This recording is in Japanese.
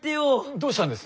どうしたんです？